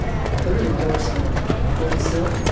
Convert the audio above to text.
3d Endorsement. Fort Sill, O.